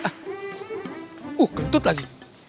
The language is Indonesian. ah uh kentut lagi